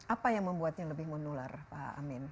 apa yang membuatnya lebih menular pak amin